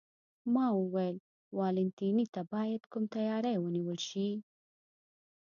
ما وویل: والنتیني ته باید کوم تیاری ونیول شي؟